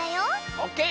オッケー！